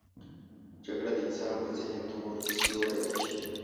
جګړه د انسان پر ذهن تور سیوری اچوي